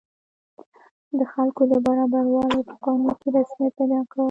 د خلکو برابروالی په قانون کې رسمیت پیدا کړ.